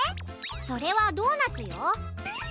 それはドーナツよ。